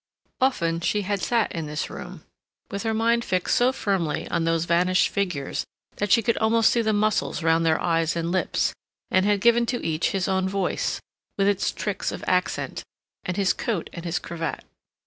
Often she had sat in this room, with her mind fixed so firmly on those vanished figures that she could almost see the muscles round their eyes and lips, and had given to each his own voice, with its tricks of accent, and his coat and his cravat.